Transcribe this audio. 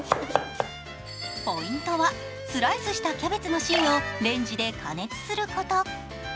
ポイントはスライスしたキャベツの芯をレンジで加熱すること。